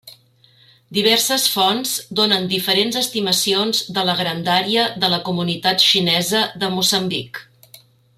Diverses fonts donen diferents estimacions de la grandària de la comunitat xinesa de Moçambic.